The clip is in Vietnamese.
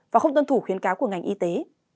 và không tuân thủ khuyến cáo của ngành y tế